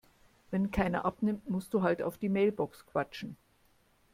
Wenn keiner abnimmt, musst du halt auf die Mailbox quatschen.